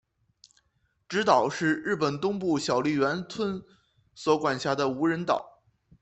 侄岛是日本东京都小笠原村所管辖的无人岛。